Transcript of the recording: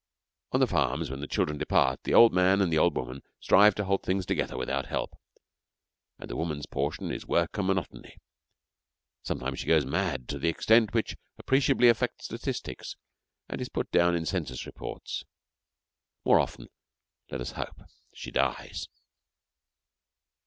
On the farms, when the children depart, the old man and the old woman strive to hold things together without help, and the woman's portion is work and monotony. Sometimes she goes mad to an extent which appreciably affects statistics and is put down in census reports. More often, let us hope, she dies.